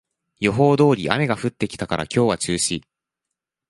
予報通り雨が降ってきたから今日は中止